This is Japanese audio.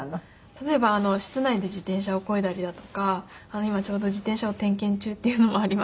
例えば室内で自転車をこいだりだとか今ちょうど自転車を点検中っていうのもありまして。